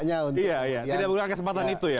tidak menggunakan kesempatan itu ya